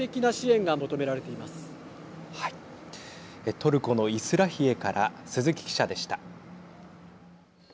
トルコのイスラヒエから鈴木記者でした。